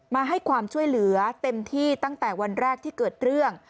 มาให้ความช่วยเหลือเต็มที่ตั้งแต่วันแรกที่เกิดเรื่อง